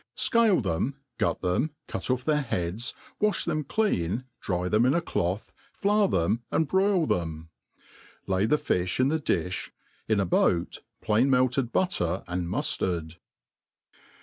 SCALE them, gut them^ cut off their beads, wafh them clean, dry them in a cloth, flour them and broil them. La^r the fifli in the di(h, in a boat, plain melted butter and muftard.